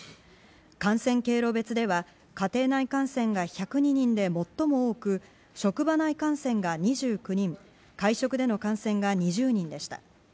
感染経路別では家庭内感染が１０２人で最も多く職場内感染が２９人会食での感染が２０人でした。